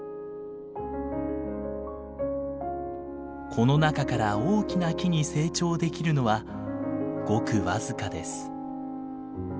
この中から大きな木に成長できるのはごく僅かです。